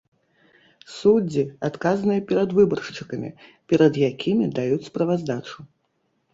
Суддзі адказныя перад выбаршчыкамі, перад якімі даюць справаздачу.